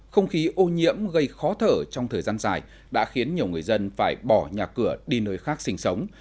không khí ô nhiễm gây khó thở trong thời gian dài đã khiến nhiều người dân phải bỏ nhà cửa đi nơi khác sinh sống